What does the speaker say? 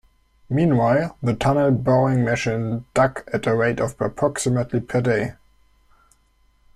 Meanwhile, the tunnel boring machine dug at a rate of approximately per day.